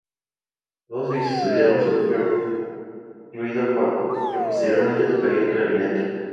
Todos ellos estudiaron solfeo, incluido Paco, que posteriormente tocaría el clarinete.